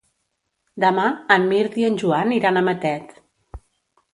Demà en Mirt i en Joan iran a Matet.